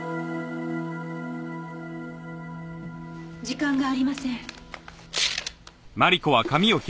時間がありません。